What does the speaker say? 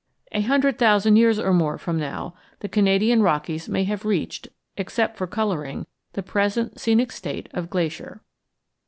A hundred thousand years or more from now the Canadian Rockies may have reached, except for coloring, the present scenic state of Glacier.